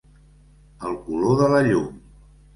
El color de la llum.